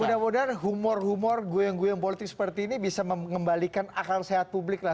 mudah mudahan humor humor goyang goyang politik seperti ini bisa mengembalikan akal sehat publik lah